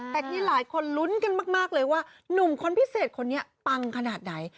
แต่ที่หลายคนลุ้นกันมากเลยว่าหนุ่มคนพิเศษคนนี้ปังขนาดไหน